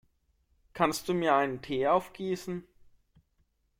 Kannst du mir einen Tee aufgießen?